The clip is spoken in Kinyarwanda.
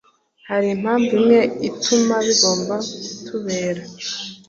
Hari impamvu imwe ituma bigomba kutubera